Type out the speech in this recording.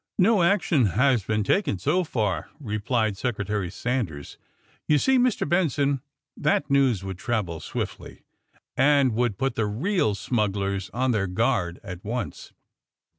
^^No action has been taken so far," replied Secretary Sanders. '^You see, Mr. Benson, that news would travel swiftly, and would put the real smugglers on their guard at once.